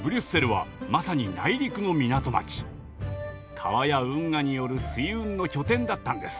川や運河による水運の拠点だったんです。